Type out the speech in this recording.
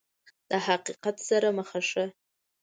د حقیقت سره مخ شه !